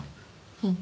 うん。